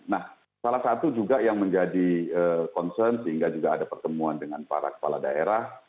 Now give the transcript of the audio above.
nah salah satu juga yang menjadi concern sehingga juga ada pertemuan dengan para kepala daerah